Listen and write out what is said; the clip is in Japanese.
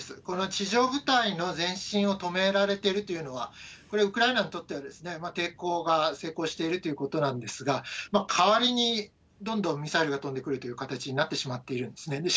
これは地上部隊の前進を止められているというのは、これ、ウクライナにとっては抵抗が成功しているということなんですが、代わりに、どんどんミサイルが飛んでくるという形になってしまっているんですね。